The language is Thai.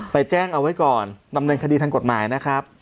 แจ้งเอาไว้ก่อนดำเนินคดีทางกฎหมายนะครับ